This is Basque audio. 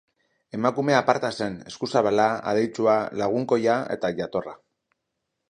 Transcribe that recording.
Emakume aparta zen: eskuzabala, adeitsua, lagunkoia eta jatorra.